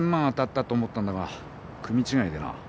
当たったと思ったんだが組違いでな。